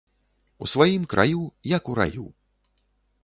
У сваім краю, як у раю